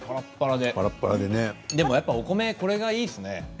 でもやっぱりお米がこれがいいですね。